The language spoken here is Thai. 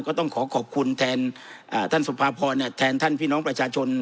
ก็ต้องขอขอบคุณแทนท่านสุภาพรแทนท่านพี่น้องประชาชน